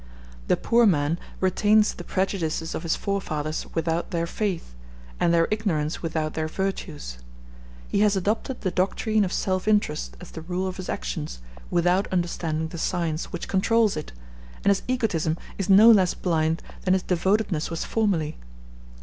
The poor man retains the prejudices of his forefathers without their faith, and their ignorance without their virtues; he has adopted the doctrine of self interest as the rule of his actions, without understanding the science which controls it, and his egotism is no less blind than his devotedness was formerly.